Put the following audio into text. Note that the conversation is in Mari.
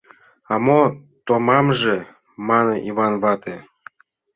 — А мо томамже? — мане Йыван вате.